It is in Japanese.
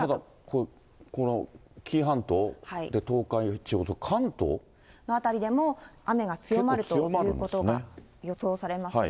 この紀伊半島、で、東海地方、関東。の辺りでも雨が強まるということが予想されますね。